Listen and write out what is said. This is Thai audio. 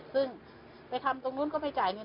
ซึ่งไปทำตรงนู้นก็ไม่จ่ายเงิน